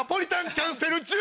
キャンセル１０！